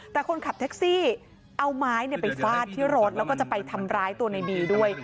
แต่คนขับแท็กซี่เอาไม้ไปฟาดที่รถแล้วก็จะไปทำร้ายตัวในบีด้วย